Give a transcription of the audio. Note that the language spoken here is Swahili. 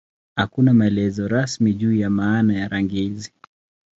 Hakuna maelezo rasmi juu ya maana ya rangi hizi.